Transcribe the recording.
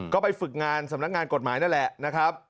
ก็ไปฝึกงานสำนักงานกฎหมายนั่นแหละนะครับ